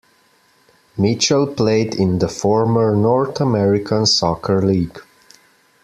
Mitchell played in the former North American Soccer League.